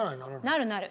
なるなる。